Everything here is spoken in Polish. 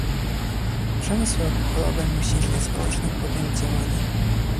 Przemysł alkoholowy musi niezwłocznie podjąć działania